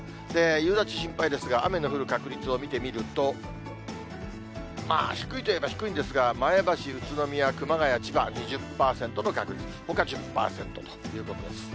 夕立心配ですが、雨の降る確率を見てみると、まあ低いといえば低いんですが、前橋、宇都宮、熊谷、千葉、２０％の確率、ほか１０％ということです。